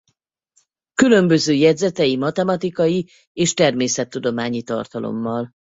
Különböző jegyzetei matematikai és természettudományi tartalommal.